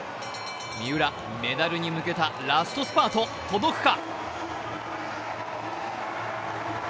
三浦、メダルへ向けたラストスパート、届くか。